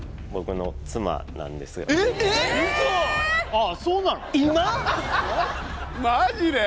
ああそうなの！？